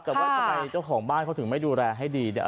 ว่าจะไปเจ้าของบ้านเธอถึงไม่ดูแลให้ดี